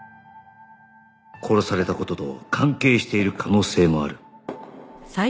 殺された事と関係している可能性もある